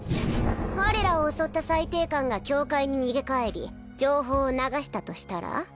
我らを襲った裁定官が教会に逃げ帰り情報を流したとしたら？